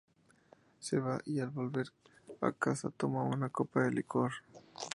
Se va, y al volver a casa toma una copa de licor.